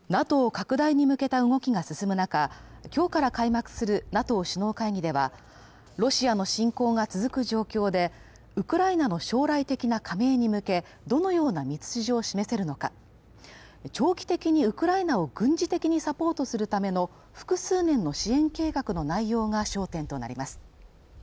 拡大に向けた動きが進む中、今日から開幕するＮＡＴＯ首脳会議ではロシアの侵攻が続く状況で、ウクライナの将来的な加盟に向け、どのような道筋を示せるのか長期的にウクライナを軍事的にサポートするための複数年の支援計画の内容が焦点となります。